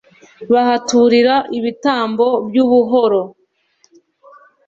bahaturira ibitambo by'ubuhoro